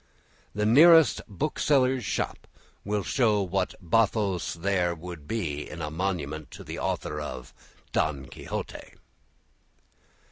The nearest bookseller's shop will show what bathos there would be in a monument to the author of "Don Quixote."